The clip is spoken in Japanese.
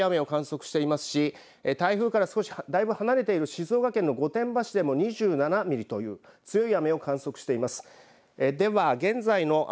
そして雨も三重県松阪市飯南３４．５ミリ激しい雨を観測していますし台風から少し、だいぶ離れている静岡県の御殿場市でも２７ミリという強い雨を観測しています。